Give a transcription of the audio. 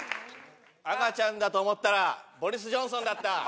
「赤ちゃんだと思ったらボリス・ジョンソンだった」